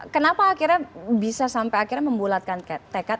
kenapa akhirnya bisa sampai akhirnya membulatkan tekad